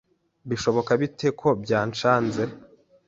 Bishoboka bite ko byancanze